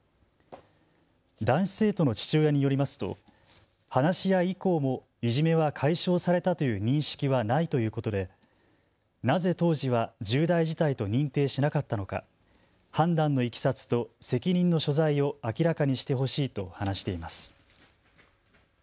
男子生徒の父親によりますと話し合い以降もいじめは解消されたという認識はないということでなぜ当時は重大事態と認定しなかったのか判断のいきさつと責任の所在を明らかにしてほしいと話しています。